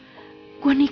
saya akan berdoa sama dia